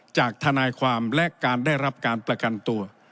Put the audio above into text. จากทนายความและการได้รับการประกันตัว